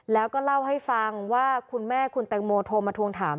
แล้วก็เล่าให้ฟังว่าคุณแม่คุณแตงโมโทรมาทวงถาม